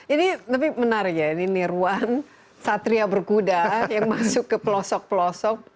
ini tapi menarik ya ini nirwan satria berkuda yang masuk ke pelosok pelosok